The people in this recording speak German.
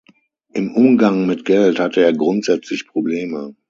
Im Umgang mit Geld hatte er grundsätzlich Probleme.